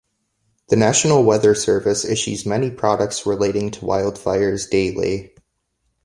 The National Weather Service issues many products relating to wildfires daily.